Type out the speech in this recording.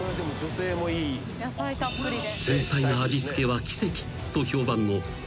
［繊細な味付けは奇跡と評判のチオベンなど］